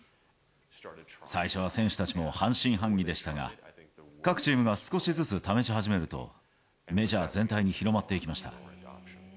最初は選手たちも半信半疑でしたが、各チームが少しずつ試し始めると、メジャー全体に広まっていきました。